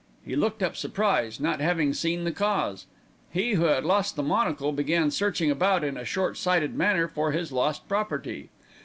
He looked up surprised, not having seen the cause. He who had lost the monocle began searching about in a short sighted manner for his lost property.